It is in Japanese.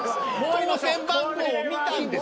当選番号を見たんです！